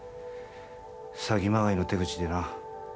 詐欺まがいの手口でな